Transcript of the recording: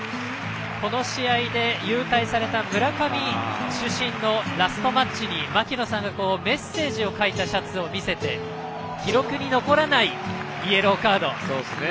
この試合で勇退された村上主審のラストマッチに槙野さんがメッセージを書いたシャツを見せて記録に残らないイエローカード。